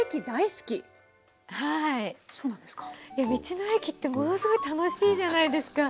道の駅ってものすごい楽しいじゃないですか。